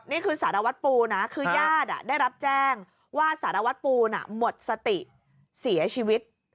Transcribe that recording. นี่คือสารวัตรปูนะคือญาติได้รับแจ้งว่าสารวัตรปูน่ะหมดสติเสียชีวิต